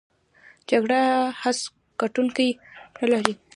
جګړه هېڅ ګټوونکی نلري!